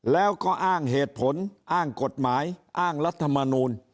แล้วก็อ้างเหตุผลอ้างกฎหมายอ้างรัฐมนูล